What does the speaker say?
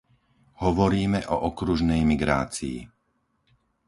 Hovoríme o okružnej migrácii.